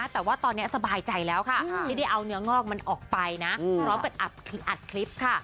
แต่ว่าตอนนี้สบายใจแล้วค่ะที่ได้เอาเนื้องอกมันออกไปนะพร้อมกับอัดคลิปค่ะ